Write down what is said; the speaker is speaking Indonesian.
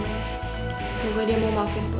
semoga dia mau maafin boy